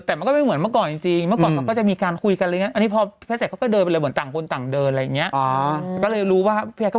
แต่มันก็ไม่เหมือนเมื่อก่อนจริง